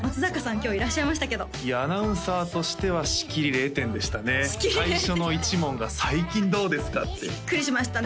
今日いらっしゃいましたけどいやアナウンサーとしては仕切り０点でしたね最初の１問が「最近どうですか？」ってビックリしましたね